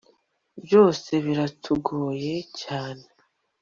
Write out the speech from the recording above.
ibyo biratugoye cyane